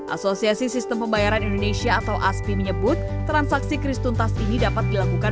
asosiasi sistem pembayaran indonesia atau aspi menyebut transaksi kris tuntas ini dapat dilakukan